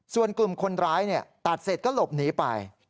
ส่วนกลุ่มคนร้ายตัดเสร็จก็หลบหนีไป